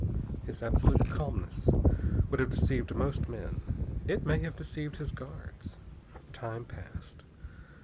His absolute calmness would have deceived most men. It may have deceived his guards. Time passed.